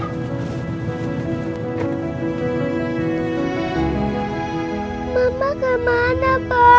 mama kemana pak